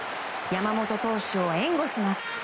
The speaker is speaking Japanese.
山本投手を援護します。